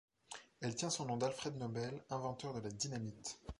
Elle tient son nom d'Alfred Nobel, inventeur de la dynamite.